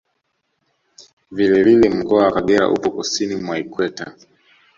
Vile vile mkoa wa Kagera upo Kusini mwa Ikweta